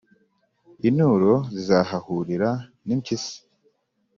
Inturo zizahahurira n’impyisi,